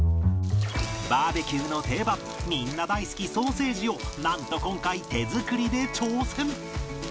バーベキューの定番みんな大好きソーセージをなんと今回手作りで挑戦